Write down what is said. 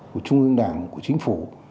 của trung ương đảng của chính phủ